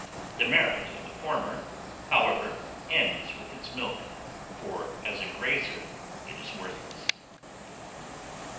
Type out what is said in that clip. The merit of the former, however, ends with its milk, for as a grazer it is worthless.